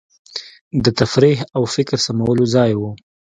د تفریح او فکر سمولو ځای وو.